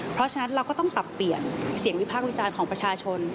เพราะฉะนั้นเราก็ต้องปรับเปลี่ยนเสียงวิพากษ์วิจารณ์ของประชาชน